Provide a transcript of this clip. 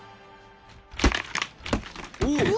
おっ！